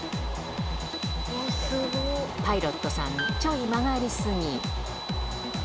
パイロットさん、ちょい曲がり過ぎ。